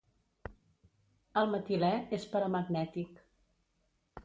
El metilè és paramagnètic.